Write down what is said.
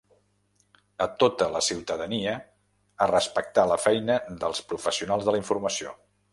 A tota la ciutadania a respectar la feina dels professionals de la informació.